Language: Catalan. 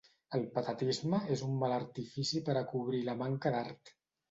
El patetisme és un mal artifici per a cobrir la manca d'art.